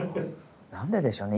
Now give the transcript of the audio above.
なんででしょうね？